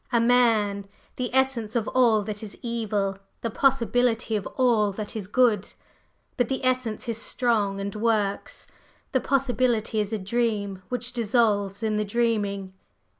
"A man! the essence of all that is evil, the possibility of all that is good! But the essence is strong and works; the possibility is a dream which dissolves in the dreaming!"